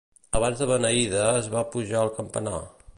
Abans de beneïda es va pujar al campanar.